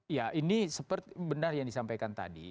ya ini seperti benar yang disampaikan tadi